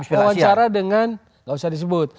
wawancara dengan nggak usah disebut